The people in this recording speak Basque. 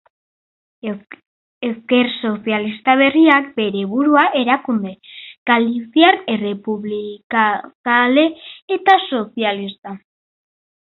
Ezker Sozialista Berriak bere burua erakunde galiziar, errepublikazale eta sozialista.